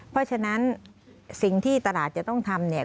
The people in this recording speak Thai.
เพราะฉะนั้นสิ่งที่ตลาดจะต้องทำเนี่ย